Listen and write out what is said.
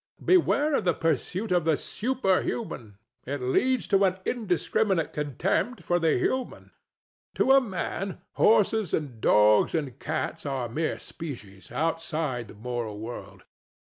Beware of the pursuit of the Superhuman: it leads to an indiscriminate contempt for the Human. To a man, horses and dogs and cats are mere species, outside the moral world.